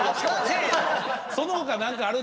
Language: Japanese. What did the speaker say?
その他何かある？